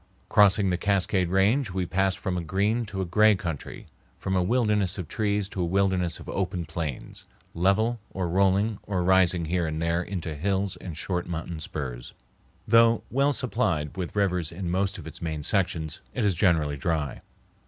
Crossing the Cascade Range, we pass from a green to a gray country, from a wilderness of trees to a wilderness of open plains, level or rolling or rising here and there into hills and short mountain spurs. Though well supplied with rivers in most of its main sections, it is generally dry.